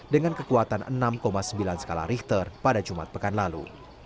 dengan kekuatan enam sembilan skala richter pada jumat pekan lalu